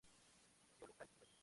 Geological Survey.